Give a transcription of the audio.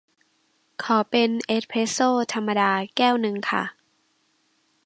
ขอเป็นเอสเพรสโซธรรมดาแก้วนึงค่ะ